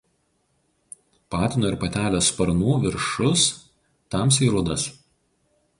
Patino ir patelės sparnų viršus tamsiai rudas.